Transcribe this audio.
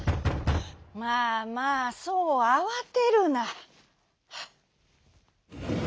「まあまあそうあわてるな」。